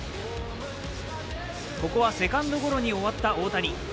ここはセカンドゴロに終わった大谷。